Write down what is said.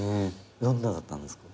どんなだったんですか？